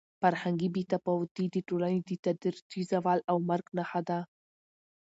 فرهنګي بې تفاوتي د ټولنې د تدریجي زوال او مرګ نښه ده.